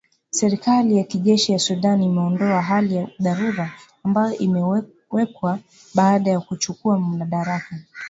Serikali ya kijeshi ya Sudan imeondoa hali ya dharura ambayo iliwekwa baada ya kuchukua madaraka